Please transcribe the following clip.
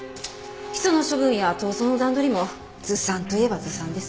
ヒ素の処分や逃走の段取りもずさんといえばずさんです。